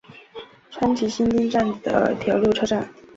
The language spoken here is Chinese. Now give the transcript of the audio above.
川崎新町站的铁路车站。